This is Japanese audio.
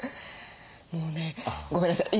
もうねごめんなさい。